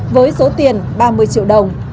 với số tiền ba mươi triệu đồng